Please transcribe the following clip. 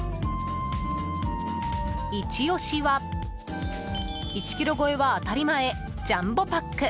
イチ押しは１ｋｇ超えは当たり前ジャンボパック。